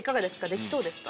できそうですか？